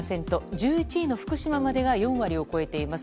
１１位の福島までが４割を超えています。